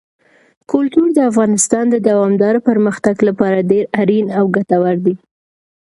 کلتور د افغانستان د دوامداره پرمختګ لپاره ډېر اړین او ګټور دی.